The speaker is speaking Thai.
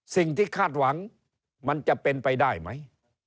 คาดหวังมันจะเป็นไปได้ไหม